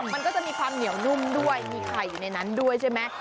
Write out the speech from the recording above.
มันก็จะมีความเหนียวนุ่มด้วยมีไข่อยู่ในนั้นด้วยใช่ไหม